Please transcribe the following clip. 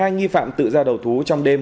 hai nghi phạm tự ra đầu thú trong đêm